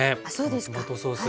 このトマトソース。